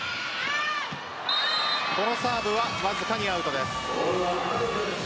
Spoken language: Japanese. このサーブはわずかにアウトです。